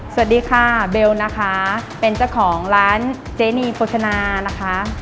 สวัสดีค่ะเบลนะคะเป็นเจ้าของร้านเจนีโภชนานะคะ